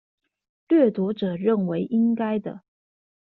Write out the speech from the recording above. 掠奪者認為應該的